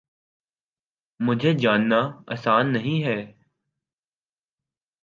مجھے جاننا آسان نہیں ہے